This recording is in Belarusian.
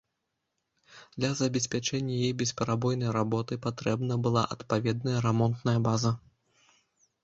Для забеспячэння яе бесперабойнай работы патрэбна была адпаведная рамонтная база.